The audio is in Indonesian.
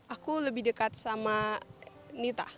aku lebih dekat sama nita